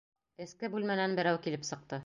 Эске бүлмәнән берәү килеп сыҡты.